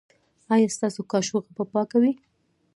ایا ستاسو کاشوغه به پاکه وي؟